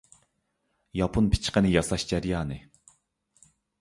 ياپون پىچىقىنى ياساش جەريانى.